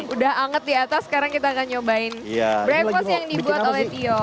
udah anget di atas sekarang kita akan nyobain brand cost yang dibuat oleh tio